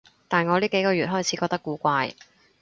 但我呢幾個月開始覺得古怪